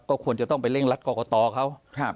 ก็ควรจะต้องไปเล่นรัดกรกฎาตอเขาครับ